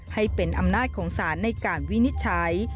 ให้เป็นอำนาจของศาลในการวินิจฉัย